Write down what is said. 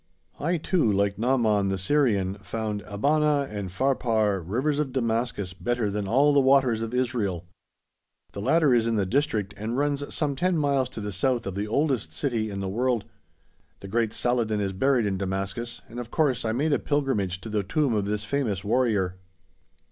I, too, like Naaman the Syrian, found "Abana and Pharpar, rivers of Damascus, better than all the waters of Israel." The latter is in the district, and runs some ten miles to the south of the oldest city in the world. The great Saladin is buried in Damascus, and of course I made a pilgrimage to the tomb of this famous warrior.